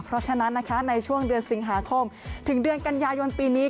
เพราะฉะนั้นนะคะในช่วงเดือนสิงหาคมถึงเดือนกันยายนปีนี้